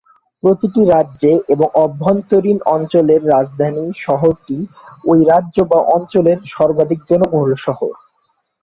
প্রতিটি রাজ্যে এবং অভ্যন্তরীণ অঞ্চলের রাজধানী শহরটি ওই রাজ্য বা অঞ্চলের সর্বাধিক জনবহুল শহর।